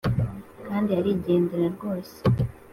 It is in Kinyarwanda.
kandi arigendera rwose,